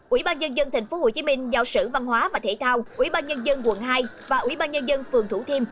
ủy ban nhân dân tp hcm giao sử văn hóa và thể thao ủy ban nhân dân quận hai và ủy ban nhân dân phường thủ thiêm